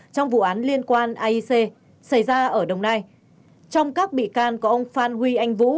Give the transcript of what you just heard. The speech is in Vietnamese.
trong vụ án liên quan aic xảy ra ở đồng nai trong các bị can của ông phan huy anh vũ